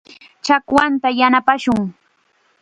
Chakwanta yanapashun.